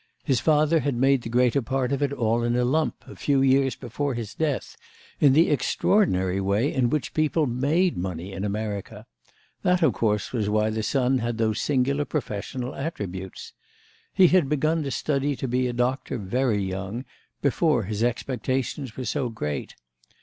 His father had made the greater part of it all in a lump, a few years before his death, in the extraordinary way in which people made money in America; that of course was why the son had those singular professional attributes. He had begun to study to be a doctor very young, before his expectations were so great.